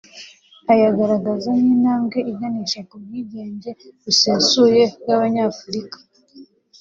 ayagaragaza nk’intambwe iganisha ku bwigenge busesuye bw’abanyafurika